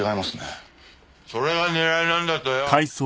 それが狙いなんだとよ。